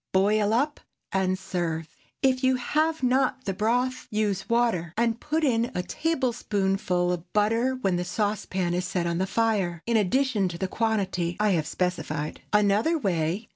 Boil up and serve. If you have not the broth, use water, and put in a tablespoonful of butter when the saucepan is set on the fire, in addition to the quantity I have specified. _Another Way.